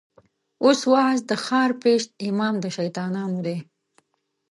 اوس واعظ د ښار پېش امام د شيطانانو دی